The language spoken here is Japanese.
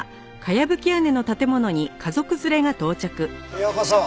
ようこそ。